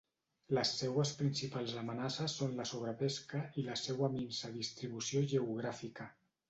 Les seues principals amenaces són la sobrepesca i la seua minsa distribució geogràfica.